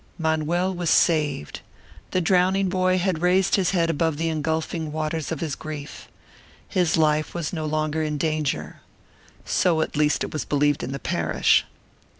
Manuel was saved. The drowning boy had raised his head above the engulfing waters of his grief. His life was no longer in danger. So at least it was believed in the parish.